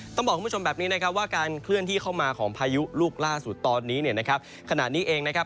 ต้องบอกคุณผู้ชมแบบนี้นะครับว่าการเคลื่อนที่เข้ามาของพายุลูกล่าสุดตอนนี้เนี่ยนะครับขณะนี้เองนะครับ